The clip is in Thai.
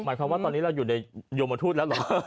หมายความว่าตอนนี้เราอยู่ในโยมทูตแล้วเหรอ